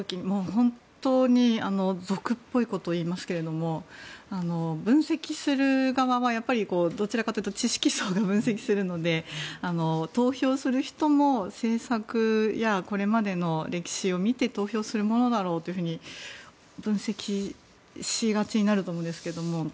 本当に俗っぽいことを言いますけど分析する側はどちらかというと知識層が分析するので投票する人も政策や、これまでの歴史を見て投票するものだというふうに分析しがちになると思うんですけれども。